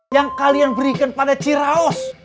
yang kalian berikan pada ciraos